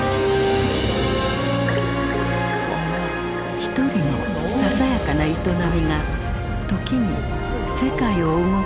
ひとりのささやかな営みが時に世界を動かすことがある。